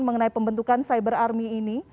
mengenai pembentukan cyber army ini